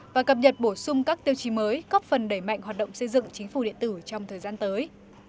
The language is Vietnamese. và cập nhật bổ sung các tiêu chí mới góp phần đẩy mạnh hoạt động xây dựng chính phủ điện tử trong thời gian tới